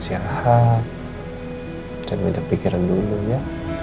jangan mengepikiran dulu ya